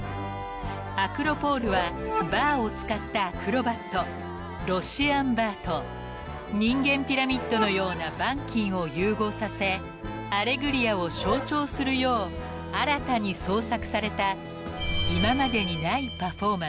［アクロ・ポールはバーを使ったアクロバットロシアン・バーと人間ピラミッドのようなバンキンを融合させ『アレグリア』を象徴するよう新たに創作された］